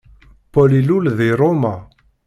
Paul ilul di Roma.